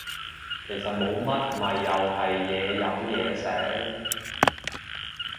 其實冇乜咪又係嘢飲嘢食